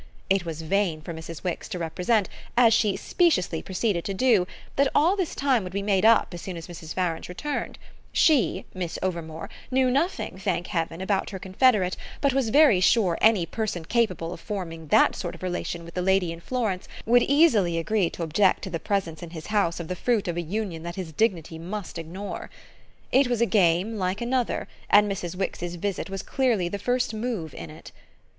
It was vain for Mrs. Wix to represent as she speciously proceeded to do that all this time would be made up as soon as Mrs. Farange returned: she, Miss Overmore, knew nothing, thank heaven, about her confederate, but was very sure any person capable of forming that sort of relation with the lady in Florence would easily agree to object to the presence in his house of the fruit of a union that his dignity must ignore. It was a game like another, and Mrs. Wix's visit was clearly the first move in it.